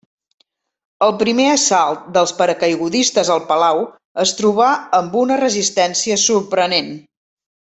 El primer assalt dels paracaigudistes al palau es trobà amb una resistència sorprenent.